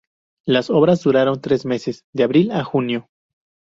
Las obras duraron tres meses, de abril a junio.